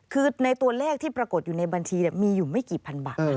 คือในตัวเลขที่ปรากฏอยู่ในบัญชีมีอยู่ไม่กี่พันบาทนะ